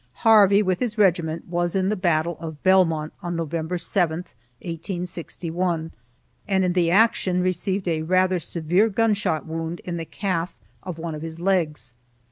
Harvey, with his regiment, was in the battle of Belmont on November 7, 1861, and in the action received a rather severe gun shot wound in the calf of one of his legs.